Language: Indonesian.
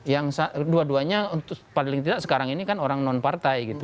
yang dua duanya paling tidak sekarang ini kan orang non partai gitu